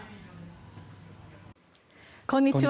こんにちは。